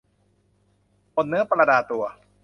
หมดเนื้อประดาตัว